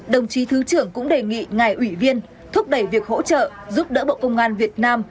đồng chí thứ trưởng cũng đề nghị ngài ủy viên thúc đẩy việc hỗ trợ giúp đỡ bộ công an việt nam